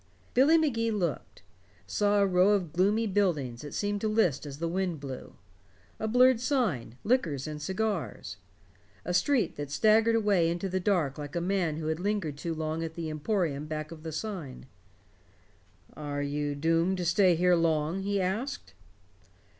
Billy Magee looked; saw a row of gloomy buildings that seemed to list as the wind blew, a blurred sign "Liquors and Cigars," a street that staggered away into the dark like a man who had lingered too long at the emporium back of the sign. "Are you doomed to stay here long?" he asked.